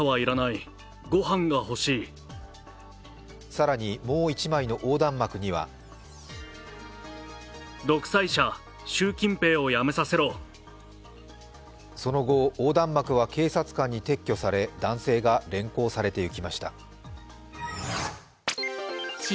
更に、もう１枚の横断幕にはその後、横断幕は警察官に撤去され男性が連行されていきました。